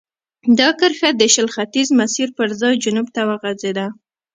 دا کرښه د شل ختیځ مسیر پر ځای جنوب ته غځېده.